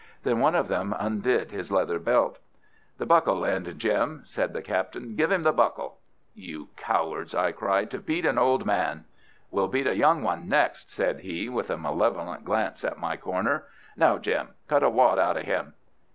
Then one of them undid his leather belt. "The buckle end, Jim," said the captain. "Give him the buckle." "You cowards," I cried; "to beat an old man!" "We'll beat a young one next," said he, with a malevolent glance at my corner. "Now, Jim, cut a wad out of him!"